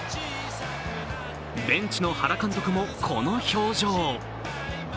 ベンチの原監督もこの表情。